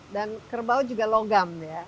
dan kerbau juga logam ya